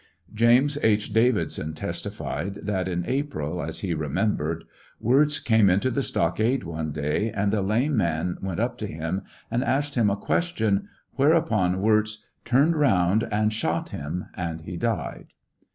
James H. Davidson testified, that in April, as he remembered, Wirz came into the stockade one day, and a lame man went up to him and asked him a ques tion, whereupon Wirz " turned around" and shot him, and he died.